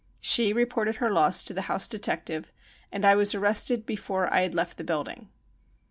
She reported her loss to the house detective and I was arrested before I had left the building.